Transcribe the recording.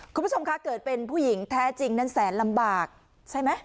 คุณผู้ชมคะเกิดเป็นผู้หญิงแท้จริงนั้นแสนลำบากใช่ไหม